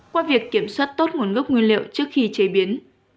qua việc kiểm soát tốt nguồn gốc nguyên liệu trước khi chế biến